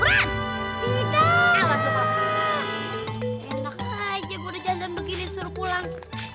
enak aja gua jalan begini suruh pulang